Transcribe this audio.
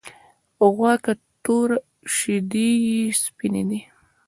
غوا که توره ده شيدې یی سپيني دی .